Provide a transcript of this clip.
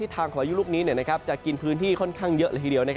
พายุลูกนี้จะกินพื้นที่ค่อนข้างเยอะละทีเดียว